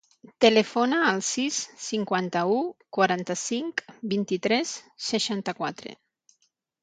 Telefona al sis, cinquanta-u, quaranta-cinc, vint-i-tres, seixanta-quatre.